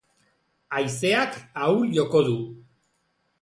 Haizeak ahul joko du.